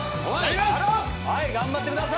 はい頑張ってください。